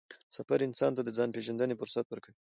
سفر انسان ته د ځان پېژندنې فرصت ورکوي